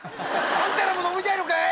あんたらも飲みたいのかい？